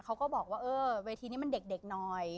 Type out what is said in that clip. เขาก็บอกว่าเออเวทีนี้มันเด็กหน่อย